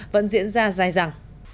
vẫn diễn ra dài dặn